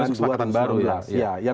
dua ribu sembilan belas kesepakatan baru ya